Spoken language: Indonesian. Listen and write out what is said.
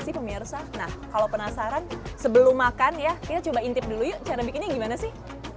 sih pemirsa nah kalau penasaran sebelum makan ya kita coba intip dulu yuk cara bikinnya gimana sih